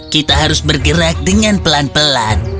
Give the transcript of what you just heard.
kita harus bergerak dengan pelan pelan